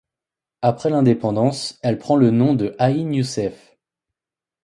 Après l'indépendance, elle prend le nom de Aïn Youcef.